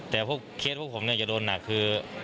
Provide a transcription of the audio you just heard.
แต่เคสพวกผมเนี่ยจะโดนหนักคือ